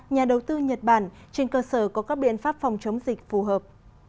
nhà đầu tư nhật bản trên cơ sở có các biện pháp phòng chống dịch phù hợp